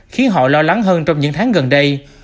khiến họ lo lắng hơn trong những tháng gần đây